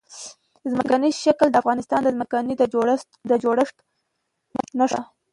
ځمکنی شکل د افغانستان د ځمکې د جوړښت نښه ده.